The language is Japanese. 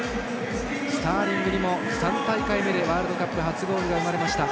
スターリングにも３大会目でワールドカップ初ゴールが生まれました。